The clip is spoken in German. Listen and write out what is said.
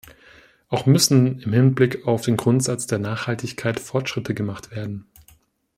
Auch müssen im Hinblick auf den Grundsatz der Nachhaltigkeit Fortschritte gemacht werden.